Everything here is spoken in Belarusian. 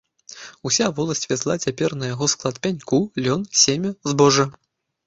Уся воласць вязла цяпер на яго склад пяньку, лён, семя, збожжа.